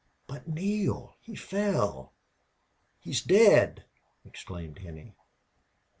"But Neale! He fell he's dead!" exclaimed Henney.